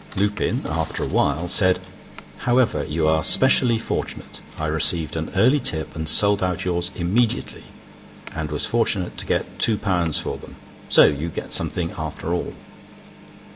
Lupin, after a while, said: "However, you are specially fortunate. I received an early tip, and sold out yours immediately, and was fortunate to get £2 for them. So you get something after all."